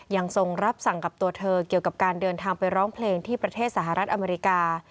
ทรงรับสั่งกับตัวเธอเกี่ยวกับการเดินทางไปร้องเพลงที่ประเทศสหรัฐอเมริกา